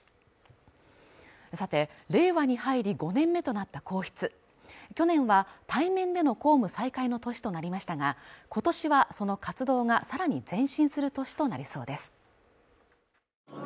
さて令和に入り５年目となった皇室去年は対面での公務再開の年となりましたが今年はその活動がさらに前進する年となりそうです